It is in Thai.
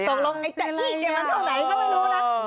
ตรงลงไอ้จะอี้เดี๋ยวมันเท่าไหนก็ไม่รู้นะ